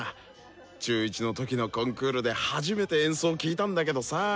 中１の時のコンクールで初めて演奏を聴いたんだけどさあ。